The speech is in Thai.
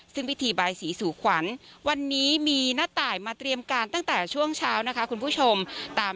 ซึ่งพิธีบายสีสู่ขวัญวันนี้มีน้าตายมาเตรียมการตั้งแต่ช่วงเช้านะคะคุณผู้ชม